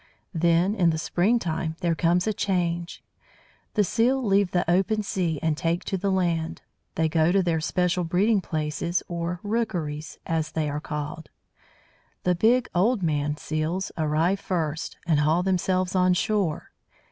Then, in the springtime, there comes a change. The Seals leave the open sea and take to the land. They go to their special breeding places, or "rookeries," as they are called. The big "old man" Seals arrive first, and haul themselves on shore.